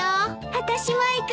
あたしも行く。